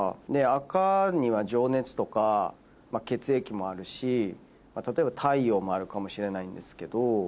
赤には情熱とか血液もあるし例えば太陽もあるかもしれないんですけど。